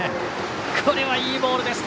これはいいボールでした。